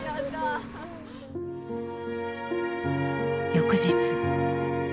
翌日。